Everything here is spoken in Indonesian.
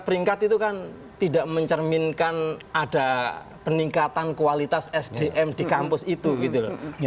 peringkat itu kan tidak mencerminkan ada peningkatan kualitas sdm di kampus itu gitu loh